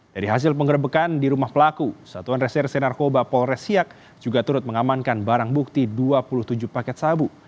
dari hasil pengerebekan di rumah pelaku satuan reserse narkoba polres siak juga turut mengamankan barang bukti dua puluh tujuh paket sabu